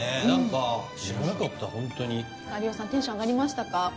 何か知らなかったホントに有吉さんテンション上がりましたか？